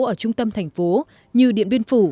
ở trung tâm thành phố như điện viên phủ